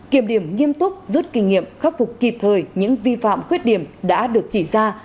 kiểm điểm nghiêm túc rút kinh nghiệm khắc phục kịp thời những vi phạm khuyết điểm đã được chỉ ra